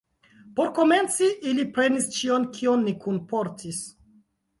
Por komenci, ili prenis ĉion, kion ni kunportis.